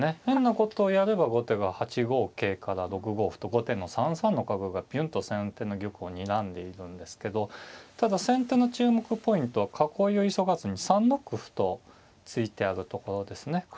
変なことをやれば後手が８五桂から６五歩と後手の３三の角がピュンと先手の玉をにらんでいるんですけどただ先手の注目ポイントは囲いを急がずに３六歩と突いてあるところですね。